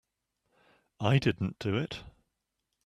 I didn't do it.